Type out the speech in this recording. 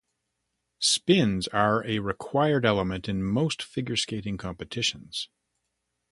Spins are a required element in most figure skating competitions.